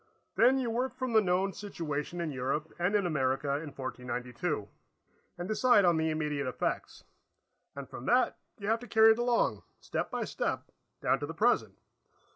Then you work from the known situation in Europe and in America in 1492, and decide on the immediate effects. And from that, you have to carry it along, step by step, down to the present.